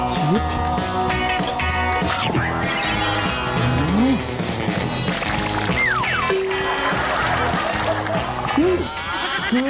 นี่ครับคุณผู้ชม